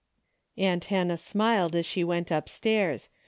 " Aunt Hannah smiled as she went upstairs.